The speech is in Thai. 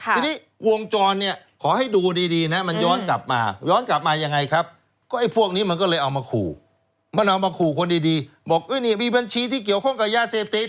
ทีนี้วงจรเนี่ยขอให้ดูดีนะมันย้อนกลับมาย้อนกลับมายังไงครับก็ไอ้พวกนี้มันก็เลยเอามาขู่มันเอามาขู่คนดีบอกนี่มีบัญชีที่เกี่ยวข้องกับยาเสพติด